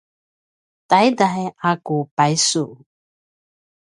taiday a ku paisu